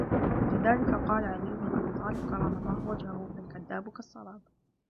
وَلِذَلِكَ قَالَ عَلِيُّ بْنُ أَبِي طَالِبٍ كَرَّمَ اللَّهُ وَجْهَهُ الْكَذَّابُ كَالسَّرَابِ